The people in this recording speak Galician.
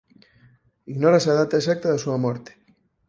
Ignórase a data exacta da súa morte.